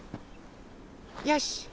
よし！